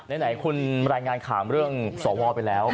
ไหนคุณรายงานข่าวเรื่องสวไปแล้ว